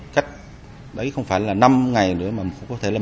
cách đấy không phải là năm ngày nữa mà có thể là một mươi ngày